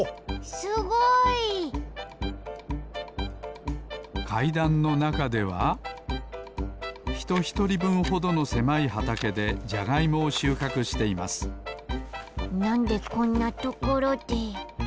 すごい！かいだんのなかではひとひとりぶんほどのせまいはたけでジャガイモをしゅうかくしていますなんでこんなところで？